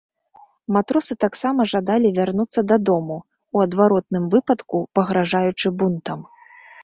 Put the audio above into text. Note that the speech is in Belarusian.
Матросы таксама жадалі вярнуцца дадому, у адваротным выпадку пагражаючы бунтам.